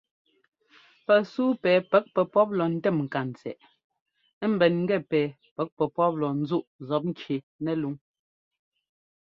Pɛsúu pɛ pɛ́k pɛpɔ́p lɔ ńtɛ́m ŋkantsɛꞌ ḿbɛn gɛ pɛ pɛ́k pɛpɔ́p lɔ ńzúꞌ zɔpŋki nɛlúŋ.